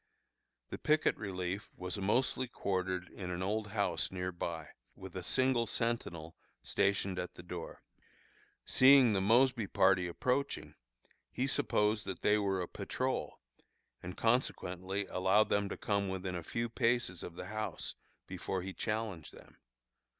The picket relief was mostly quartered in an old house near by, with a single sentinel stationed at the door. Seeing the Mosby party approaching, he supposed that they were a patrol, and consequently allowed them to come within a few paces of the house before he challenged them.